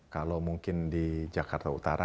kalau mungkin di jakarta utara